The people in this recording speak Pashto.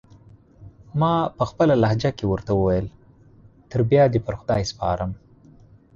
ما پخپله لهجه کې ورته وویل: تر بیا دې پر خدای سپارم.